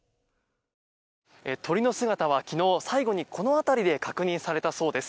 鳥の姿は最後、昨日この辺りで確認されたそうです。